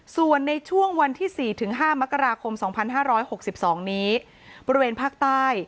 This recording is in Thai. ส่วนในช่วงวันที่๔๕มกราคม๒๕๖๒นี้บริเวณภาคใต้